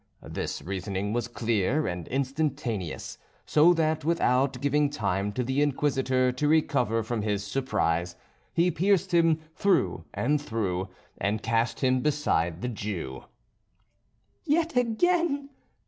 This reasoning was clear and instantaneous; so that without giving time to the Inquisitor to recover from his surprise, he pierced him through and through, and cast him beside the Jew. "Yet again!"